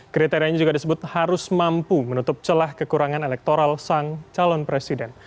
kriterianya juga disebut harus mampu menutup celah kekurangan elektoral sang calon presiden